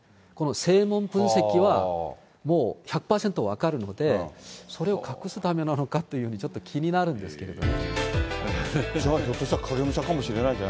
声紋分析はもう１００％分かるので、それを隠すためなのかというふうにちょっと気になるんですけどね。